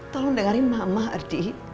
tolong dengerin mama ardi